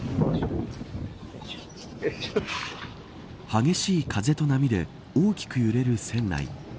激しい風と波で大きく揺れる船内。